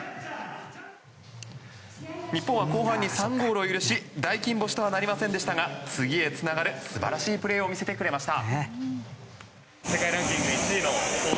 日本は後半に３ゴールを許し大金星とはなりませんでしたが次へつながる素晴らしいプレーを見せてくれました。